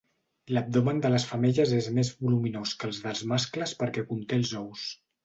L'abdomen de les femelles és més voluminós que el dels mascles perquè conté els ous.